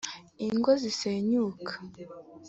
Ingo zisenyuka